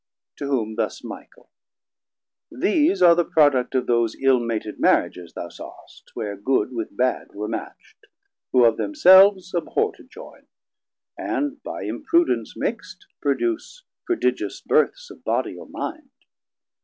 To whom thus Michael; These are the product Of those ill mated Marriages thou saw'st; 680 Where good with bad were matcht, who of themselves Abhor to joyn; and by imprudence mixt, Produce prodigious Births of bodie or mind.